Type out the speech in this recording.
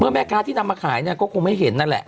แม่ค้าที่นำมาขายเนี่ยก็คงไม่เห็นนั่นแหละ